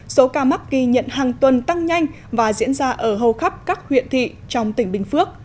số ca mắc ghi nhận hàng tuần tăng nhanh và diễn ra ở hầu khắp các huyện thị trong tỉnh bình phước